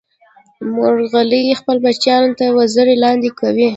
مورغۍ خپل بچیان تر وزر لاندې کوي